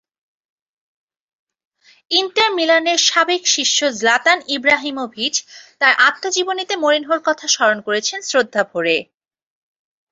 Inter মিলানের সাবেক শিষ্য জ্লাতান ইব্রাহিমোভিচ তাঁর আত্মজীবনীতে মরিনহোর কথা স্মরণ করেছেন শ্রদ্ধাভরে।